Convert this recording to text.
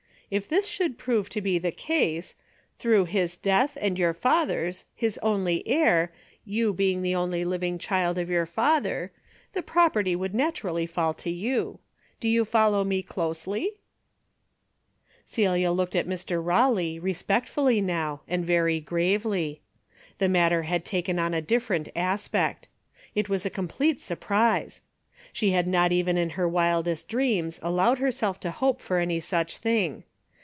If this should prove to be the case, through his death and your father's, his only heir, you being the only living child, of your father, the property would naturally fall to you. Do you follow me closely ?" Celia looked at Mr. Eawley respectfully now and very gravely. The matter had taken on a different aspect. It was a complete sur prise. She had not even in her wildest dreams allowed herself to hope for any such thing.